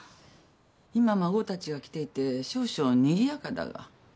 今孫たちが来ていて少々にぎやかだが。